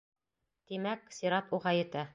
Тимәк, сират уға етә.